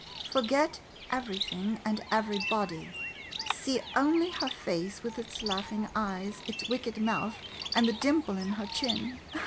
]" Forget everything, and everybody — see only her face, with its laughing eyes, it 's wicked mouth, and the dimple in her chin